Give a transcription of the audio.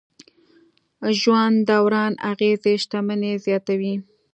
ژوند دوران اغېزې شتمني زیاتوي.